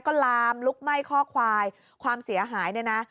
ก็ลามลุกไหม้ข้อควายความเสียหายเนี่ยนะ